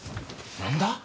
何だ？